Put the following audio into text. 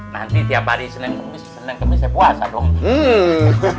nanti tiap hari senin kemis senin kemis saya puasa dong